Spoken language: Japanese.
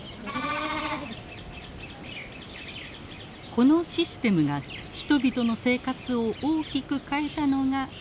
このシステムが人々の生活を大きく変えたのが農村です。